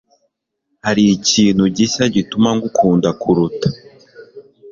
hari ikintu gishya gituma ngukunda kuruta